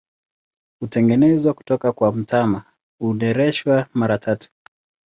Hutengenezwa kutoka kwa mtama, hunereshwa mara tatu.